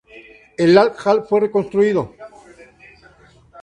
El hall fue reconstruido.